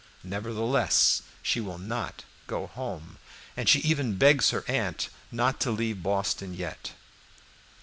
Nevertheless she will not go home, and she even begs her aunt not to leave Boston yet.